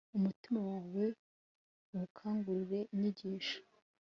umutima wawe uwukangurire inyigisho